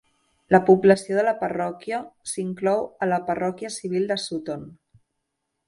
La població de la parròquia s'inclou a la parròquia civil de Sutton.